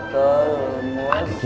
nunggu aja kan